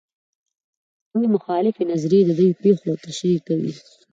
دوې مخالفې نظریې د دې پېښو تشریح کوي.